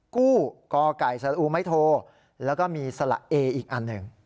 กู้ก่อไก่สอูไม้โทแล้วก็มีสละเออีกอันหนึ่ง